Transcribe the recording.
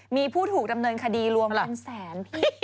มีผู้ถูกดำเนินคดีลวม๑แสน